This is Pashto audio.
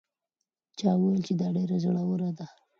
چا وویل چې دا ډېره زړه وره ده؟